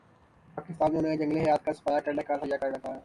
پاکستانیوں نے جنگلی حیات کا صفایا کرنے کا تہیہ کر رکھا ہے